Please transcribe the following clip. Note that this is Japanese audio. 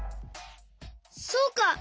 そうか！